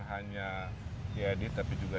hanya diedit tapi juga